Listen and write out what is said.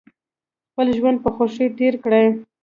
خپل ژوند په خوښۍ تیر کړئ